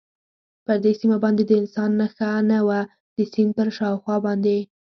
پر دې سیمه باندې د انسان نښه نه وه، د سیند پر شاوخوا باندې.